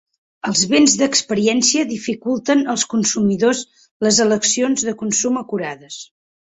El béns d'experiència dificulten als consumidors les eleccions de consum acurades.